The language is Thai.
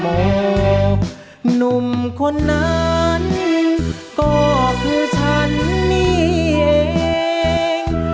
หนุ่มคนนั้นก็คือฉันนี่เอง